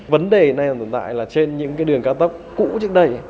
vấn đề này tồn tại là trên những cái đường cao tốc cũ trước đây